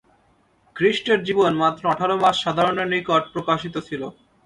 খ্রীষ্টের জীবন মাত্র আঠার মাস সাধারণের নিকট প্রকাশিত ছিল।